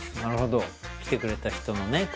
なるほど来てくれた人のね